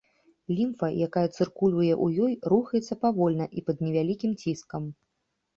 Лімфа, якая цыркулюе ў ёй, рухаецца павольна і пад невялікім ціскам.